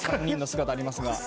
３人の姿がありますが。